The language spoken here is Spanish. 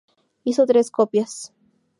Hizo tres copias.